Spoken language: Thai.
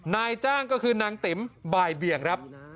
นายจ้างก็คือนางติ๋มบ่ายเบียงครับ